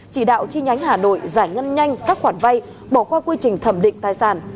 chỉ đạo chi nhánh hà nội giải ngân nhanh các khoản vay bỏ qua quy trình thẩm định tài sản